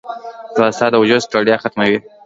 ځغاسته د وجود ستړیا ختموي